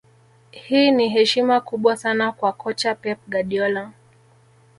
Hii ni heshima kubwa sana kwa kocha Pep Guardiola